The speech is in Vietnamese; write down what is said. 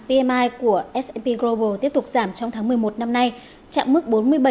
pmi của s p global tiếp tục giảm trong tháng một mươi một năm nay chạm mức bốn mươi bảy